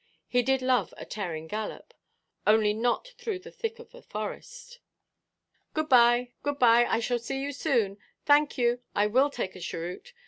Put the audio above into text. He did love a tearing gallop, only not through the thick of the forest. "Good–bye, good–bye! I shall see you soon. Thank you, I will take a cheroot.